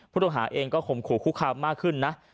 พุทธอาหารเองก็คงขู่คุกคำมากขึ้นนะ